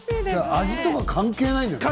味とか関係ないんだね。